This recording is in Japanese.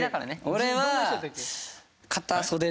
俺は。